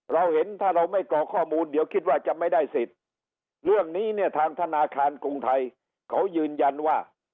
เราเห็นถ้าเราไม่กรอกข้อมูลเดี๋ยวคิดว่าจะไม่ได้สิทธิ์เรื่องนี้เนี่ยทางธนาคารกรุงไทยเขายืนยันว่า